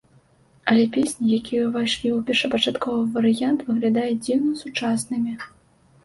Але песні, якія ўвайшлі ў першапачатковы варыянт, выглядаюць дзіўна сучаснымі.